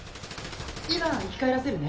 今、生き返らせるね。